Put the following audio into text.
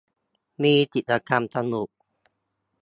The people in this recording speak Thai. มีกิจกรรมสนุก